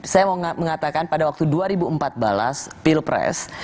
saya mau mengatakan pada waktu dua ribu empat belas pilpres